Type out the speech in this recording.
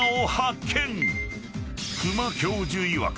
［久間教授いわく